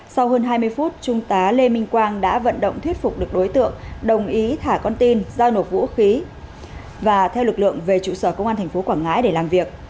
sau hơn hai mươi phút trung tá lê minh quang đã vận động thuyết phục được đối tượng đồng ý thả con tin giao nộp vũ khí và theo lực lượng về trụ sở công an tp quảng ngãi để làm việc